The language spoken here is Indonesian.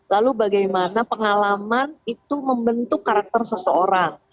lalu bagaimana pengalaman itu membentuk karakter seseorang